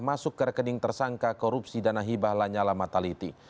masuk ke rekening tersangka korupsi dana hibah lanyala mataliti